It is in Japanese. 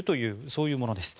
そういうものです。